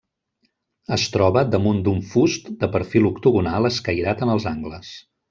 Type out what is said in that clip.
Es troba damunt d'un fust de perfil octogonal escairat en els angles.